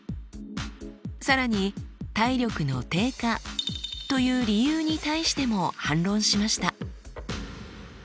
更に体力の低下という理由に対しても反論しました。